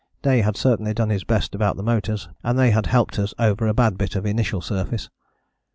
Day had certainly done his best about the motors and they had helped us over a bad bit of initial surface.